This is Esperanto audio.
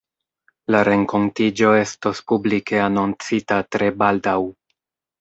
La renkontiĝo estos publike anoncita tre baldaŭ.